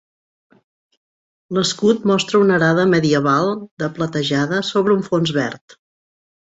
L'escut mostra una arada medieval de platejada sobre un fons verd.